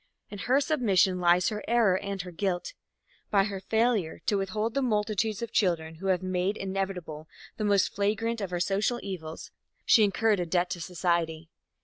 In her submission lies her error and her guilt. By her failure to withhold the multitudes of children who have made inevitable the most flagrant of our social evils, she incurred a debt to society.